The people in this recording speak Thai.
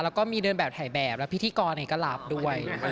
แล้วก็มีเดินแบบถ่ายแบบแล้วพิธีกรเองก็รับด้วย